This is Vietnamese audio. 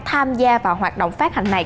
tham gia vào hoạt động phát hành này